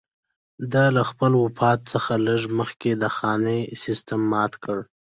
ده له خپل وفات څخه لږ مخکې د خاني سېسټم مات کړ.